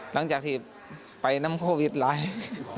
หลังจากที่ไปน้ำโควิดร้าย